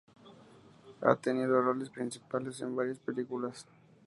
Ha tenido roles principales en varias películas.